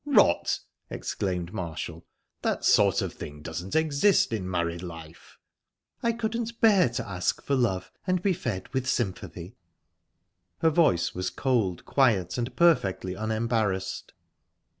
"Rot!" exclaimed Marshall. "That sort of thing doesn't exist in married life." "I couldn't bear to ask for love and be fed with sympathy." Her voice was cold, quiet, and perfectly unembarrassed.